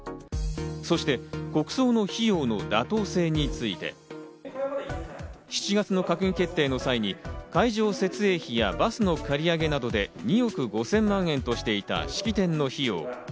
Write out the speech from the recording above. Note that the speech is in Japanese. そして国葬の費用の妥当性について、７月の閣議決定の際に会場設営費やバスの借り上げなどで２億５０００万円としていた式典の費用。